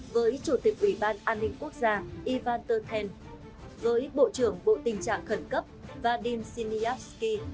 với chủ tịch ủy ban an ninh quốc gia ivan tertent với bộ trưởng bộ tình trạng khẩn cấp vadim siniavsky